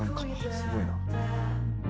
すごいな」